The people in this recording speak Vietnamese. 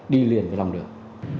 đi liền với lòng đường